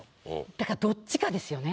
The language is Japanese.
だからどっちかですよね。